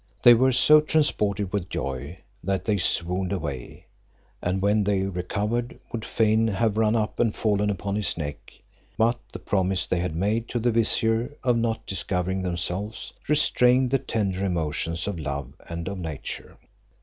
They were so transported with joy, that they swooned away; and when they recovered, would fain have run up and fallen upon his neck, but the promise they had made to the vizier of not discovering themselves, restrained the tender emotions of love and of nature.